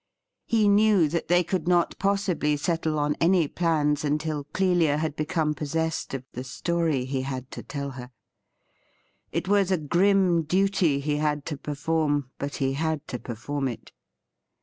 He knew that they could not possibly settle on any plans until Clelia had become possessed of the story he had to tell her. It was a grim duty he had to perform, but he had to perform it.